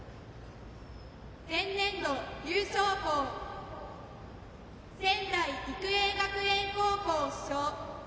前年度優勝校仙台育英学園高校主将